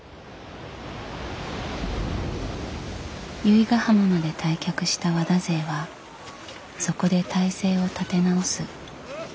由比ヶ浜まで退却した和田勢はそこで態勢を立て直す。